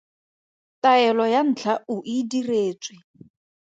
Taelo ya ntlha o e diretswe.